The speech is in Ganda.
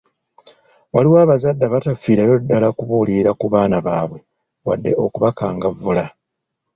Waliwo abazadde abatafiirayo ddala kubuulirira ku baana baabwe wadde okubakangavvula.